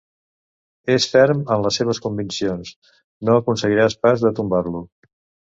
És ferm en les seves conviccions, no aconseguiràs pas de tombar-lo.